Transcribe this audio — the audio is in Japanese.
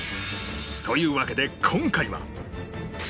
というわけで今回は